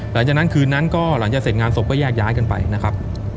หลังจากนั้นคืนนั้นก็หลังจากเสร็จงานศพก็แยกย้ายกันไปนะครับ